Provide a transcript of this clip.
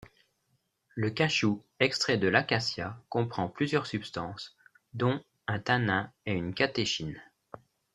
Le cachou extrait de l'acacia comprend plusieurs substances, dont un tanin et une catéchine.